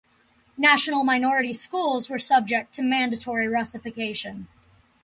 National minority schools were subject to mandatory russification.